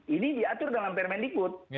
ini diatur dalam permanent good